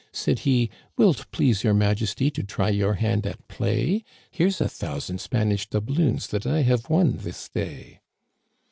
Said he ;* Will't please Your Majesty to try your hand at play ? Here's a thousand Spanish doubloons that I have won this day.'